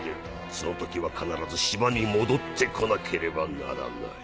その時は必ず島に戻って来なければならない。